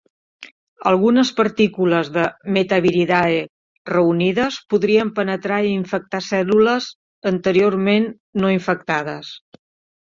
Algunes partícules de "Metaviridae" reunides poden penetrar i infectar cèl·lules anteriorment no infectades.